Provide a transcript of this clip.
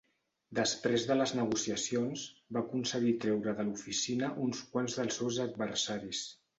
Després de les negociacions, va aconseguir treure de l'oficina uns quants dels seus adversaris.